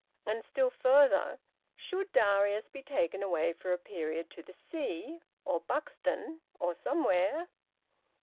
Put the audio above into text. And still further should Darius be taken away for a period to the sea, or Buxton, or somewhere?